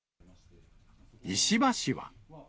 石破氏は。